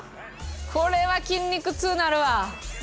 これは筋肉痛なるわ。